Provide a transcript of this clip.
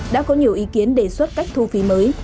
đã có nhiều ý kiến đề xuất cách thu phí mới